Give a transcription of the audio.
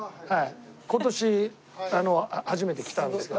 今年初めて来たんですけど。